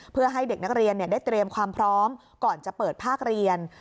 เพื่อให้เด็กนักเรียนได้เตรียมความพร้อมก่อนจะเปิดภาคเรียน